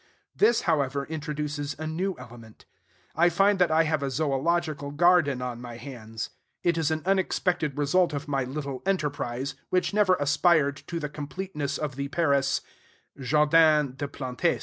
This, however, introduces a new element. I find that I have a zoological garden on my hands. It is an unexpected result of my little enterprise, which never aspired to the completeness of the Paris "Jardin des Plantes."